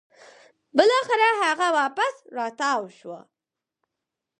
بلاخره هغه واپس راتاو شوه